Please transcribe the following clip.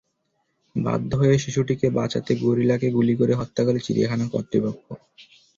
বাধ্য হয়ে শিশুটিকে বাঁচাতে গরিলাকে গুলি করে হত্যা করে চিড়িয়াখানা কর্তৃপক্ষ।